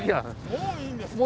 もういいんです。